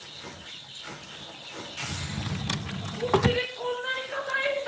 お尻こんなに固いんだ。